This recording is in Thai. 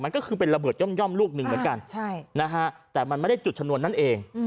มันก็คือเป็นระเบิดย่อมลูกหนึ่งเหมือนกันแต่มันไม่ได้จุดชนวนนั่นเอง